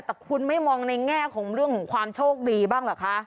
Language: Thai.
แต่คุณไม่มองในแง่ของเรื่องของความโชคดีบ้างเหรอคะ